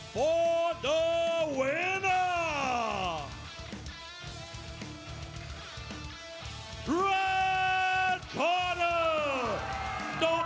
ประโยชน์ทอตอร์จานแสนชัยกับยานิลลาลีนี่ครับ